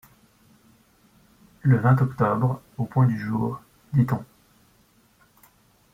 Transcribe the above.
Le vingt octobre, au point du jour, dit-on